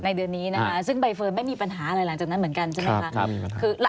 เดือนนี้นะคะซึ่งใบเฟิร์นไม่มีปัญหาอะไรหลังจากนั้นเหมือนกันใช่ไหมคะ